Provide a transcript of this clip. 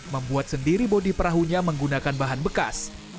membuat sendiri bodi perahunya menggunakan bahan bekas